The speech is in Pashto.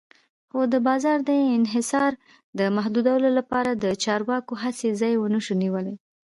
خو د بازار د انحصار د محدودولو لپاره د چارواکو هڅې ځای ونشو نیولی.